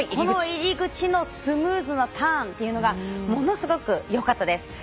この入り口のスムーズなターンというのがものすごくよかったです。